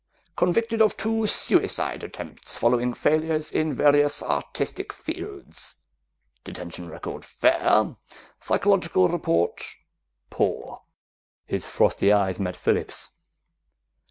Convicted of two suicide attempts following failures in various artistic fields. Detention record fair, psychological report poor." His frosty eyes met Phillips'.